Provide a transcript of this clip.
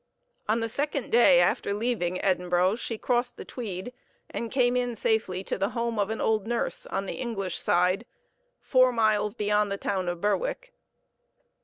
On the second day after leaving Edinburgh she crossed the Tweed, and came in safety to the home of an old nurse, on the English side, four miles beyond the town of Berwick.